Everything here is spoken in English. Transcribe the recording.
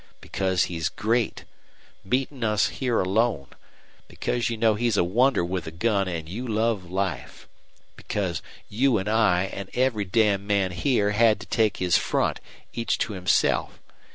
Because he's great meetin' us here alone. Because you know he's a wonder with a gun an' you love life. Because you an' I an' every damned man here had to take his front, each to himself.